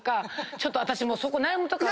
ちょっと私そこ悩むとこ。